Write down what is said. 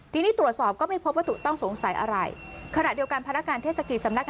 ทีนี้ตรวจสอบก็ไม่พบวัตถุต้องสงสัยอะไร